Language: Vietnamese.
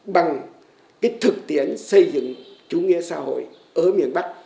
bằng cái thực tiễn xây dựng chủ nghĩa xã hội ở miền bắc